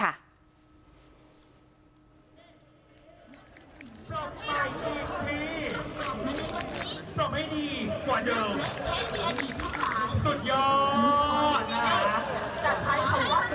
ปรับไปจริงที่ปรับให้ดีกว่าเดิม